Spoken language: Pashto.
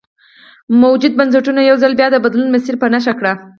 موجوده بنسټونو یو ځل بیا د بدلون مسیر په نښه کړ.